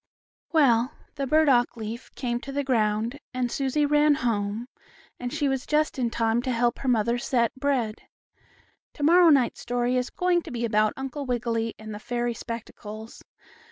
Well, the burdock leaf came to the ground, and Susie ran home, and she was just in time to help her mother set bread. To morrow night's story is going to be about Uncle Wiggily and the fairy spectacles.